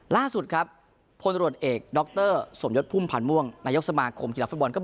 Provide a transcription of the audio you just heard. ล่าสุดครับพลตรวจเอกด็อกเตอร์สมยสภุ่มผลันม่วง